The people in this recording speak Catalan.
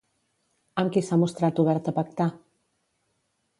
Amb qui s'ha mostrat obert a pactar?